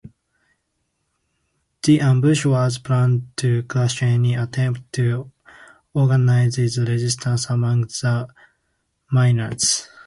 The ambush was planned to crush any attempt to organise resistance among the miners.